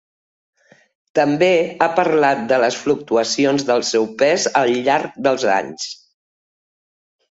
També ha parlat de les fluctuacions del seu pes al llarg dels anys.